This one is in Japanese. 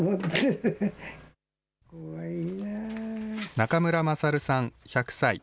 中村優さん１００歳。